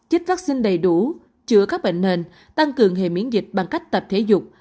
chích vaccine đầy đủ chữa các bệnh nền tăng cường hệ miễn dịch bằng cách tập thể dục